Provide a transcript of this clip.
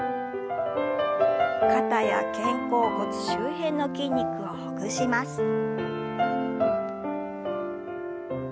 肩や肩甲骨周辺の筋肉をほぐします。